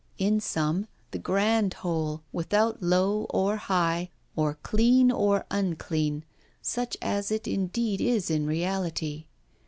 In sum, the grand whole, without low or high, or clean or unclean, such as it indeed is in reality.